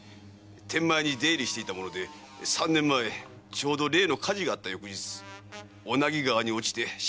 天満屋に出入りしていた者で三年前ちょうど例の火事があった翌日小名木川に落ちて死んでおります。